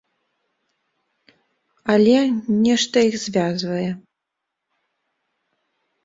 Але нешта іх звязвае.